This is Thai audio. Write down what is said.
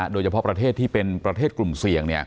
โดยเฉพาะประเทศที่เป็นประเทศกลุ่มเสี่ยง